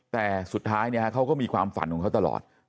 แต่สุดท้ายเขาก็มีความฝันของเขาตลอด